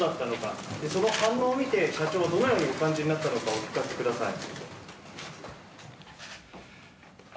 そして、その反応を見て社長はどのようにお感じになったのかお聞かせください。